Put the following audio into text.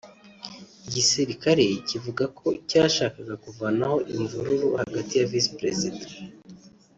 Igisirikare kivuga ko cyashakaga kuvanaho imvururu hagati ya Visi-Perezida